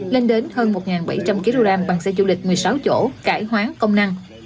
lên đến hơn một bảy trăm linh kg bằng xe du lịch một mươi sáu chỗ cải hoán công năng